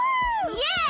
イエーイ！